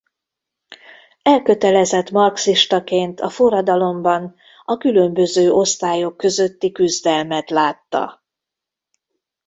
Elkötelezett marxistaként a forradalomban a különböző osztályok közötti küzdelmet látta.